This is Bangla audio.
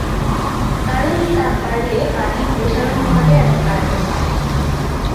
কারণ তাপ বাড়লে পানির প্রসারণ ঘটে এবং আয়তন বাড়ে।